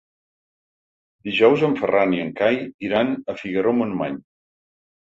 Dijous en Ferran i en Cai iran a Figaró-Montmany.